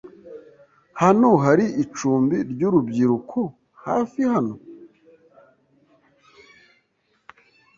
Hano hari icumbi ryurubyiruko hafi hano?